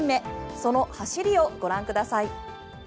その走りをご覧ください。